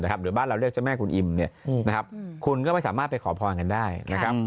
หรือบ้านเราเรียกเจ้าแม่คุณอิมคุณก็ไม่สามารถไปขอพรกันได้นะครับ